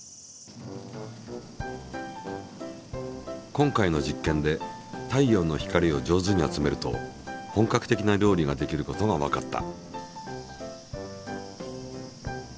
今回の実験で太陽の光を上手に集めると本格的な料理ができることがわかった。